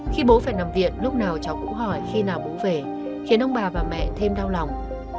khi bố phải nằm viện lúc nào cháu cũng hỏi khi nào bú về khiến ông bà và mẹ thêm đau lòng